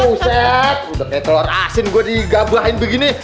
uset udah kayak telur asin gue digabahin begini